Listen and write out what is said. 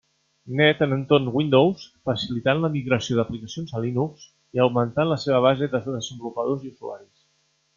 Net en entorn Windows, facilitant la migració d'aplicacions a Linux i augmentant la seva base de desenvolupadors i usuaris.